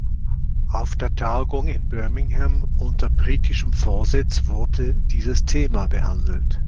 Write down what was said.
Auf der Tagung in Birmingham unter britischem Vorsitz wurde dieses Thema behandelt.